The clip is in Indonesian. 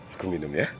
aku minum ya